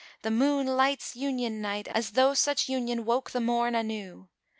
The Moon lights Union night * As tho' such Union woke the Morn anew.